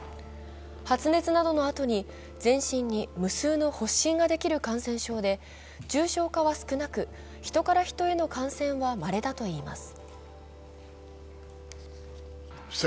発熱などのあとに全身に無数の発疹ができる感染症で重症化は少なく、ヒトからヒトへの感染はまれだといいます。